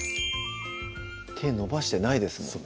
手伸ばしてないですもんね